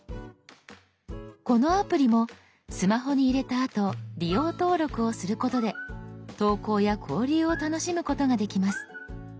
このアプリもスマホに入れたあと利用登録をすることで投稿や交流を楽しむことができます。